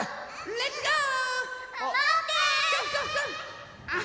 レッツゴー！